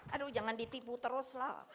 aduh jangan ditipu terus lah